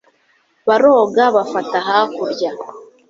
baroga bafata hakurya